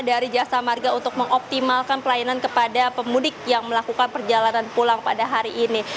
dari jasa marga untuk mengoptimalkan pelayanan kepada pemudik yang melakukan perjalanan pulang pada hari ini